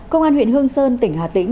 công an huyện hương sơn tỉnh hà tĩnh